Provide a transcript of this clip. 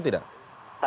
mengancam bu miriam tidak